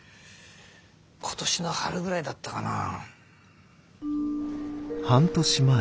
今年の春ぐらいだったかな。